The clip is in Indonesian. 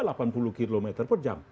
tiba tiba delapan puluh km per jam